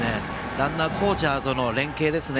ランナーコーチャーとの連係ですね